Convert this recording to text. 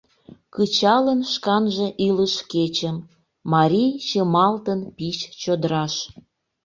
Кычалын шканже илыш кечым. Марий чымалтын пич чодыраш.